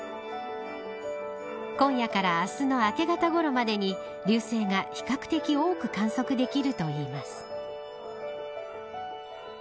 今夜から明日の明け方ごろまでに流星が比較的多く観測できるといいます。